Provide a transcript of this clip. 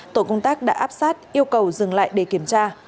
tổ công tác đã áp sát yêu cầu dừng lại để kiểm tra